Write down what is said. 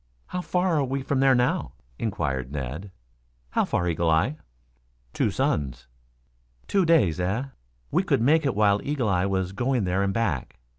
"How far are we from there now?" inquired Ned. "How far, Eagle eye?" "Two suns." "Two days, eh. We could make it while Eagle eye was going there and back.